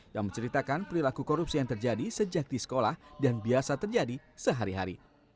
yang menceritakan perilaku korupsi yang terjadi sejak di sekolah dan biasa terjadi sehari hari